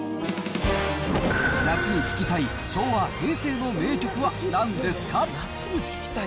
夏に聴きたい昭和・平成の名曲はなんですか？